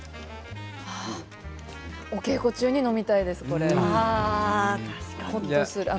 お稽古中に飲みたいですこれ。